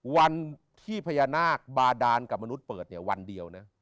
วันที่พญานาคบาดานกับมนุษย์เปิดเนี่ยวันเดียวนะ